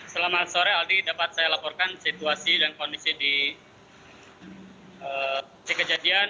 selamat sore aldi dapat saya laporkan situasi dan kondisi di kejadian